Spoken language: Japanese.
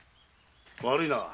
悪いなあ。